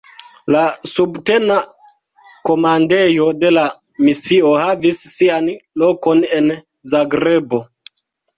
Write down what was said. La subtena komandejo de la misio havis sian lokon en Zagrebo.